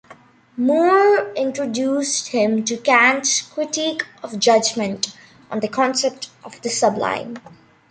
Moore introduced him to Kant's "Critique of Judgment" on the concept of the sublime.